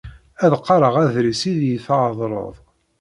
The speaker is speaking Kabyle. Ad qqareɣ adlis i d-iyi-treḍleḍ.